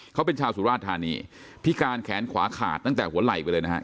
เขาเป็นชาวสุราชธานีพิการแขนขวาขาดตั้งแต่หัวไหล่ไปเลยนะฮะ